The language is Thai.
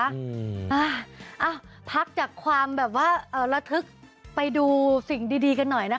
อ่าพักจากความแบบว่าเอ่อระทึกไปดูสิ่งดีกันหน่อยนะคะ